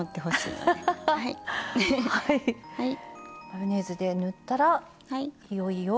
マヨネーズで塗ったらいよいよ。